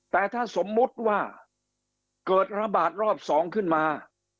แต่ถ้าสมมุติว่าเกิดระบาดรอบ๒ขึ้นมา